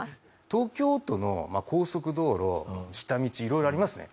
東京都の高速道路下道いろいろありますね。